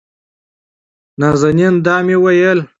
نازنين: دا مې وېل